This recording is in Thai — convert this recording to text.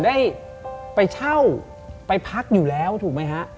ได้ไปเช่าไปพักอยู่แล้วถูกไหมฮะ